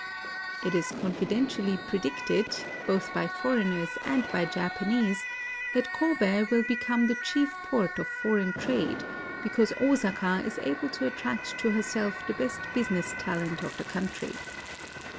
It is confidently predicted, both by foreigners IN OSAKA 135 and by Japanese, that Kobe will become the chief port of foreign trade, because Osaka is able to attract to herself the best business talent of the country.